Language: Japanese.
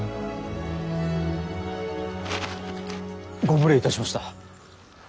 ご無礼いたしました。